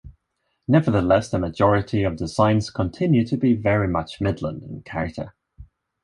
Nevertheless, the majority of designs continued to be very much Midland in character.